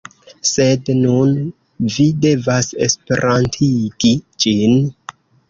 Sed nun, vi devas Esperantigi ĝin.